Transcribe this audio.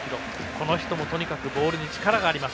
この人もとにかくボールに力があります